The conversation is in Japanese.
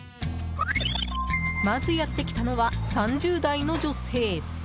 まずやってきたのは３０代の女性。